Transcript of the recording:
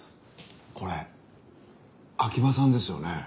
これ秋葉さんですよね？